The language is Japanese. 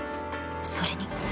それに